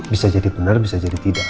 bisa jadi benar bisa jadi tidak